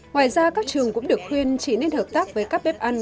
ngoài ra các trường cũng được khuyên chỉ nên hợp tác với các bếp ăn